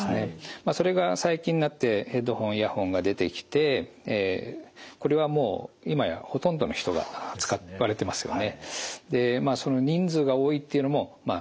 まあそれが最近になってヘッドホン・イヤホンが出てきてこれはもう今やほとんどの人が使われてますよね。